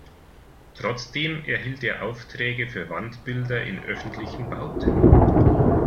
Trotzdem erhielt er Aufträge für Wandbilder in öffentlichen Bauten.